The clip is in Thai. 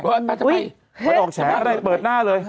เฮ้ยทุกไปออกแฉก็ได้เปิดหน้าเลย